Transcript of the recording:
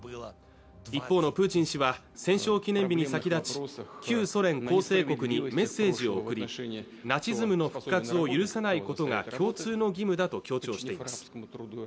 一方のプーチン氏は戦勝記念日に先立ち旧ソ連構成国にメッセージを送りナチズムの復活を許さないことが共通の義務だと強調しています